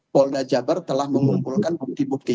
polda jabar telah mengumpulkan bukti bukti